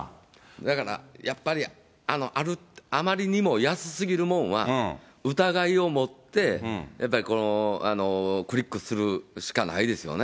だからやっぱりあまりにも安すぎるもんは、疑いを持って、やっぱりクリックするしかないですよね。